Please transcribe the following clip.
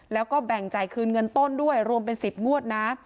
แล้วก็แบ่งจ่ายคืนเงินต้นด้วยรวมเป็น๑๐งวดนะ